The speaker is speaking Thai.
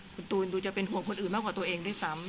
คุณตูนดูจะเป็นห่วงคนอื่นมากกว่าตัวเองด้วยซ้ำ